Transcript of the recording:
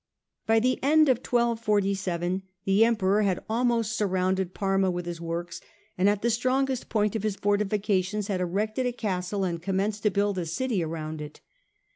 By the end of 1247 the Emperor had almost surrounded Parma with his works, and at the strongest point of his fortifications had erected a castle and commenced to build a city around it.